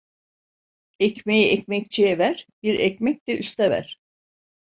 Ekmeği ekmekçiye ver, bir ekmek de üste ver.